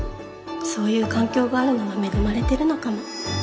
そういう環境があるのは恵まれてるのかも。